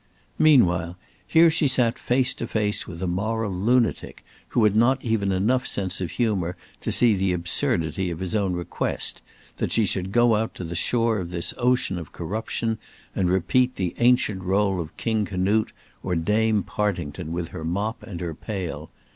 Meanwhile, here she sat face to face with a moral lunatic, who had not even enough sense of humour to see the absurdity of his own request, that she should go out to the shore of this ocean of corruption, and repeat the ancient rôle of King Canute, or Dame Partington with her mop and her pail.